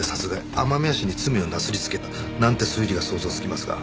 雨宮氏に罪をなすりつけたなんて推理が想像つきますが。